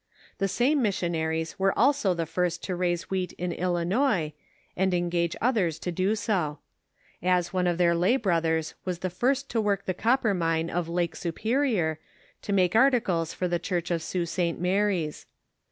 The same mis sionaries were also the first to raise wheat in Illinois, and engage others to do so ; as one of their lay brothers was the first to work the copper mine of Lake Superior, to make articles for the church of Sault St Mary's.